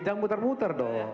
jangan mutar mutar dong